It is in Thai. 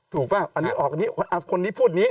ถูกป่ะอันนี้ออกนี้อันนี้พูดนี้